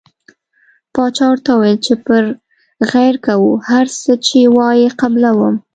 باچا ورته وویل پر غیر کوو هر څه چې وایې قبلووم.